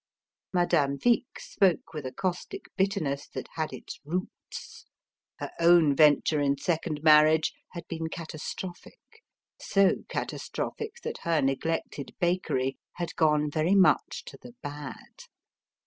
Madame Vic spoke with a caustic bitterness that had its roots. Her own venture in second marriage had been catastrophic so catastrophic that her neglected bakery had gone very much to the bad.